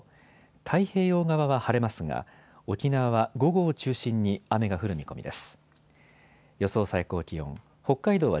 太平洋側は晴れますが沖縄は午後を中心に雨が降る見込みです。